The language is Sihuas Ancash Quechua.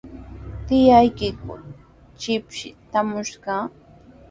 ¿Tiyaykiku shipshi traamushqa?